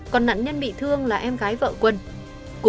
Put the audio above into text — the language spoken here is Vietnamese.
còn nạn nhân bị thương là em gái vợ của lai châu